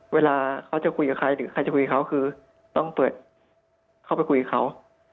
เวลาเขาจะคุยกับใครหรือใครจะคุยเขาคือต้องเปิดเข้าไปคุยกับเขา